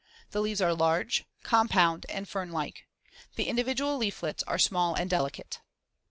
The leaves are large, compound, and fern like. The individual leaflets are small and delicate.